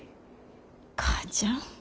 母ちゃん。